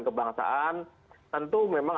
kebangsaan tentu memang